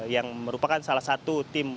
yang merupakan salah satu tim